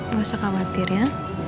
gak usah khawatir ya